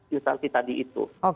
instansi tadi itu